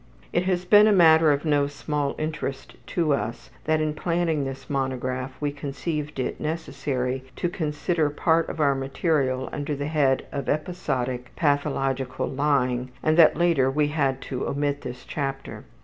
It has been a matter of no small interest to us that in planning this monograph we conceived it necessary to consider part of our material under the head of episodic pathological lying and that later we had to omit this chapter.